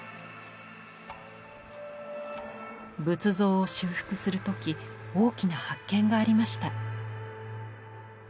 仏像を修復する時大きな発見がありました。